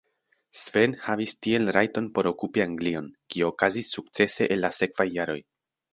Sven havis tiel rajton por okupi Anglion, kio okazis sukcese en la sekvaj jaroj.